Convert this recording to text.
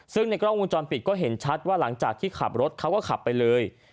ซึ่งในกล้องวงจรปิดก็เห็นชัดว่าหลังจากที่ขับรถเขาก็ขับไปเลย